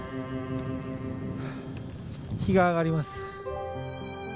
日が上がります。